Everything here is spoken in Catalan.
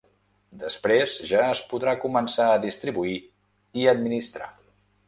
Després, ja es podrà començar a distribuir i administrar.